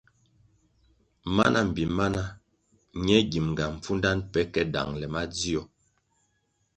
Mana mbpi mana ñe gimʼnga pfundanʼ pe ke dangʼle madzio.